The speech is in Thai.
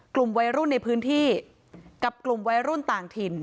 กลุ่มวัยรุ่นในพื้นที่กับกลุ่มวัยรุ่นต่างถิ่น